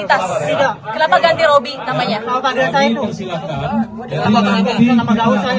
mas peggy diperiksa apa aja kemarin mas peggy